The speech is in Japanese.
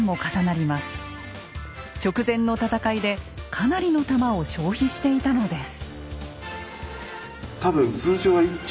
直前の戦いでかなりの玉を消費していたのです。